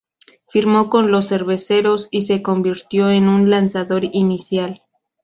Firmó con los cerveceros y se convirtió en un lanzador inicial.